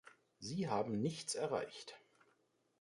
Sie haben nichts erreicht.